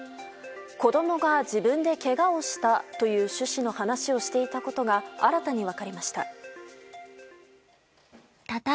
子供が自分でけがをしたという趣旨の話をしていたことが新たに分かりました。